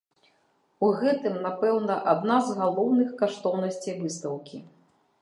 У гэтым напэўна адна з галоўных каштоўнасцей выстаўкі.